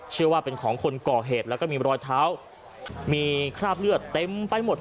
เชื่อว่าเป็นของคนก่อเหตุแล้วก็มีรอยเท้ามีคราบเลือดเต็มไปหมด